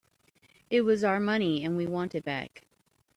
It was our money and we want it back.